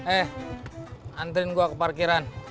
eh antrin gue ke parkiran